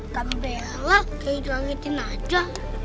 kak bella kayak di langitin aja